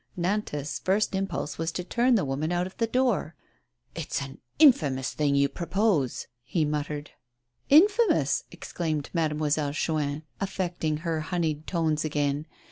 Nantas' first impulse was to turn the woman out of the door. " It's an infamous thing to propose !" he muttered. "Infamous!" exclaimed Mademoiselle Chuin, affecting her honeyed tones again.